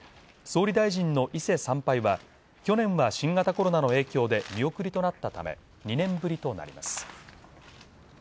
総理大臣の伊勢参拝は去年は新型コロナの影響で見送りとなったため２年ぶりとなります。